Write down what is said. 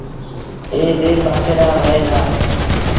ائيٚݩ ٻي پآسي ڏآنهن وهيݩ دآ۔